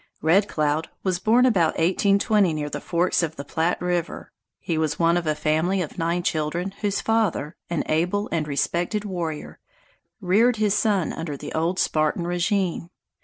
Red Cloud was born about 1820 near the forks of the Platte River. He was one of a family of nine children whose father, an able and respected warrior, reared his son under the old Spartan regime.